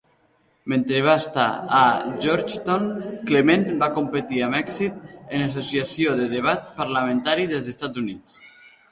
Mentre va estar a Georgetown, Clement va competir amb èxit en l'Associació de debat parlamentari dels Estats Units.